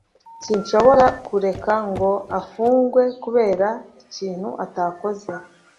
Sinshobora kureka ngo afungwe kubera ikintu atakoze.